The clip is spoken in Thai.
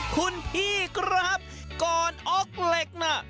คุณพี่ครับก่อนออกเหล็กน่ะ